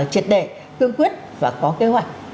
triệt đề cương quyết và có kế hoạch